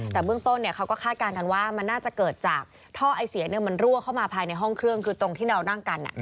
แต่เบื้องต้นเขาก็คาดการณ์กันว่ามันน่าจะเกิดจากท่อไอเสียมันรั่วเข้ามาภายในห้องเครื่องคือตรงที่เรานั่งกัน